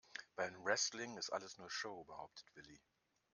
Beim Wrestling ist alles nur Show, behauptet Willi.